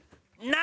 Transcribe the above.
何？